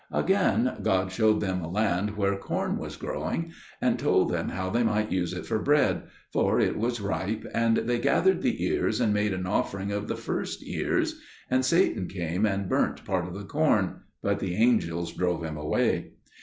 Again, God showed them a land where corn was growing, and told them how they might use it for bread; for it was ripe, and they gathered the ears and made an offering of the first ears. And Satan came and burnt part of the corn; but the angels drove him away.